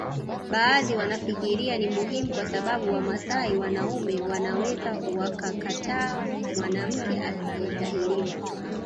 Baadhi wanafikiria ni muhimu kwa sababu Wamasai wanaume wanaweza wakakataa mwanamke asiyetahiriwa